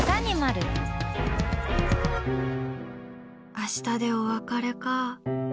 明日でお別れか。